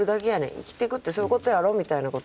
生きていくってそういうことやろ」みたいなこと。